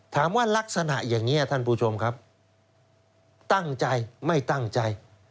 ลักษณะอย่างนี้ท่านผู้ชมครับตั้งใจไม่ตั้งใจ